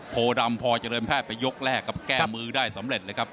โพดำพอเจริญแพทย์ไปยกแรกครับแก้มือได้สำเร็จเลยครับ